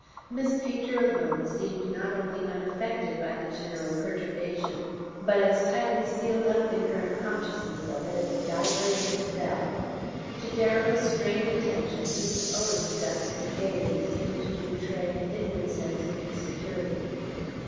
Miss Painter alone seemed not only unaffected by the general perturbation but as tightly sealed up in her unconsciousness of it as a diver in his bell. To Darrow's strained attention even Owen's gusts of gaiety seemed to betray an inward sense of insecurity.